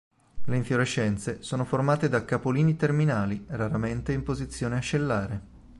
Le infiorescenze sono formate da capolini terminali, raramente in posizione ascellare.